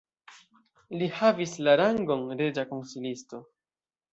Li havis la rangon reĝa konsilisto.